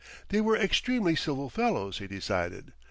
They were extremely civil fellows, he decided.